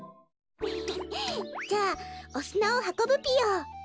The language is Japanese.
じゃあおすなをはこぶぴよ。